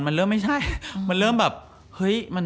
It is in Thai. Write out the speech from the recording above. มันเริ่มไม่ใช่มันเริ่มแบบเฮ้ย